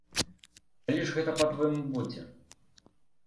Калі ж гэта па-твойму будзе?